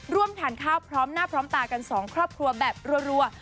ทานข้าวพร้อมหน้าพร้อมตากันสองครอบครัวแบบรัว